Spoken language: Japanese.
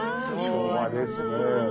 昭和ですね。